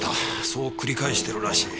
そう繰り返しているらしい。